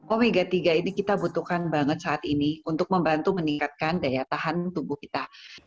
omega tiga ini kita butuhkan banget saat ini untuk membantu meningkatkan daya tahan tubuh kita